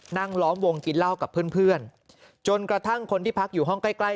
นั่งล้อมวงกินเหล้ากับเพื่อนจนกระทั่งคนที่พักอยู่ห้องใกล้ใกล้